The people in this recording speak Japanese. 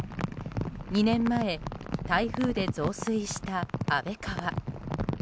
２年前、台風で増水した安倍川。